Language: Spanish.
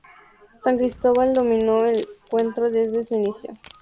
San Cristóbal domino el encuentro desde su inicio.